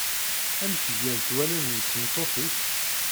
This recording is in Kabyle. Amek gant wallen n tmeṭṭut-ik?